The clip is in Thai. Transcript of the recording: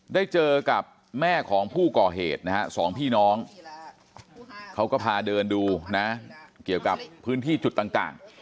ได้เจอกับแม่ของผู้ก่อเหตุนะฮะสองพี่น้องเขาก็พาเดินดูนะเกี่ยวกับพื้นที่จุดต่าง